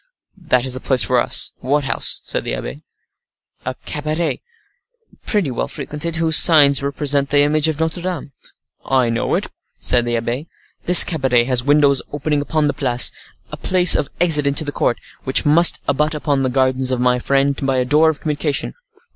"That is the place for us," said the abbe. "What house?" "A cabaret, pretty well frequented, whose sign represents the image of Notre Dame." "I know it," said the abbe. "This cabaret has windows opening upon the Place, a place of exit into the court, which must abut upon the gardens of my friend by a door of communication."